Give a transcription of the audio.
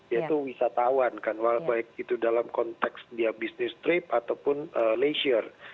yaitu wisatawan kan baik itu dalam konteks dia bisnis trip ataupun leisure